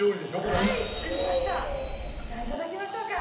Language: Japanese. じゃあ頂きましょうか。